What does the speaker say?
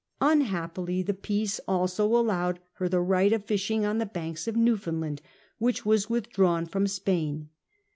Unhappily, the peace also allowed her the right of fishing on the banks of Newfoundland, wliicli was withdrawn from Spain.